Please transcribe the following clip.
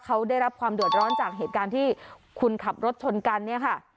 เขาได้รับความเดือดร้อนจากเหตุการณ์ที่คุณขับรถชนกันเนี่ยค่ะ